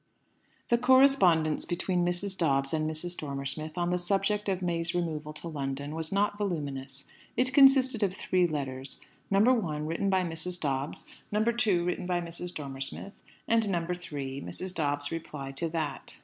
The correspondence between Mrs. Dobbs and Mrs. Dormer Smith on the subject of May's removal to London was not voluminous. It consisted of three letters: number one, written by Mrs. Dobbs; number two, written by Mrs. Dormer Smith; and number three, Mrs. Dobbs's reply to that.